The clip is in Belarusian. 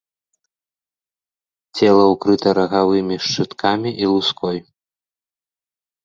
Цела ўкрыта рагавымі шчыткамі і луской.